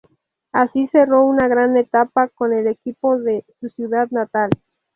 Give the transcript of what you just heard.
Así cerró una gran etapa con el equipo de su ciudad natal.